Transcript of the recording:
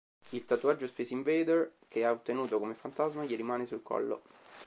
Il tatuaggio Space Invader, che ha ottenuto come fantasma gli rimane sul collo.